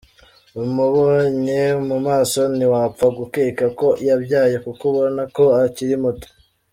Umubonye mu maso ntiwapfa gukeka ko yabyaye kuko ubona ko akiri muto.